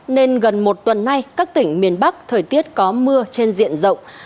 nên gần một tuần nay các tỉnh miền bắc thời tiết có mưa trên diện rộng